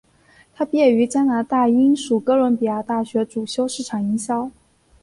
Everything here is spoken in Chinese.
她毕业于加拿大英属哥伦比亚大学主修市场营销。